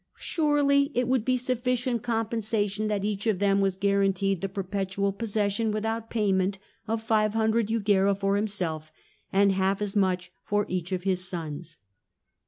Surely it would be sufficient compensation that each of them was guaranteed the perpetual possession without payment of 500 jugera for himself and half as much for each of his sons."